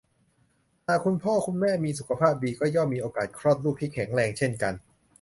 หากคุณพ่อคุณแม่มีสุขภาพดี ก็ย่อมมีโอกาสคลอดลูกที่แข็งแรงเช่นกัน